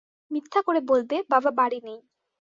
মিথ্যা করে বলবে, বাবা বাড়ি নেই।